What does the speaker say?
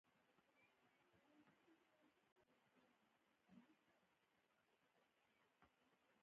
په لوړه تودوخې او فشار کې له منځه ځي.